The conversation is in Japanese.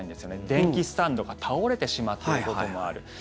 電気スタンドが倒れてしまっていることもある。